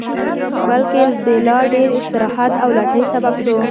بلکې د لا ډېر استراحت او لټۍ سبب شو